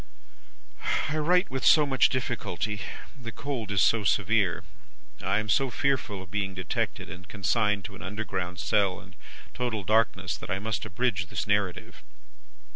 "I write with so much difficulty, the cold is so severe, I am so fearful of being detected and consigned to an underground cell and total darkness, that I must abridge this narrative.